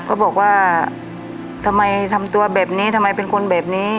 ก็บอกว่าทำไมทำตัวแบบนี้ทำไมเป็นคนแบบนี้